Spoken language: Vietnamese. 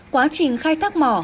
quá trình khai thác mỏ